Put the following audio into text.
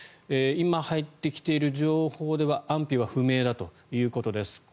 今入ってきている情報では安否は不明だということです。